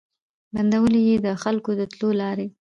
بندولې یې د خلکو د تلو لاري